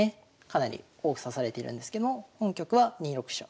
かなり多く指されているんですけども本局は２六飛車。